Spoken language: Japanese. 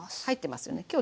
入ってますよね。